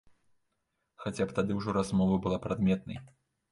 Хаця б тады ўжо размова была прадметнай.